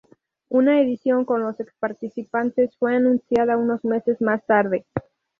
Una edición con los ex participantes fue anunciada unos meses más tarde.